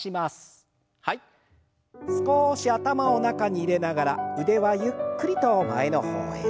少し頭を中に入れながら腕はゆっくりと前の方へ。